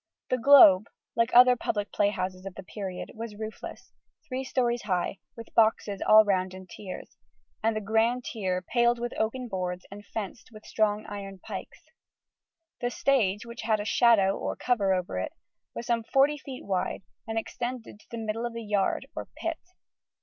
The Globe, like other public playhouses of the period, was roofless: three stories high, with boxes all round in tiers, the ground tier paled with oaken boards and fenced with strong iron pikes. The stage, which had a "shadow" or cover over it, was some 40 ft. wide and extended to the middle of the yard or pit.